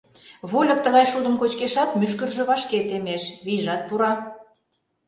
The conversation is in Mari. Вольык тыгай шудым кочкешат, мӱшкыржӧ вашке темеш, вийжат пура.